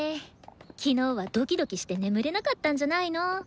昨日はドキドキして眠れなかったんじゃないの？